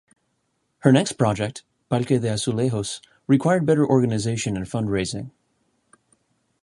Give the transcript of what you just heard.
Her next project ("Parque de Azulejos") required better organization and fundraising.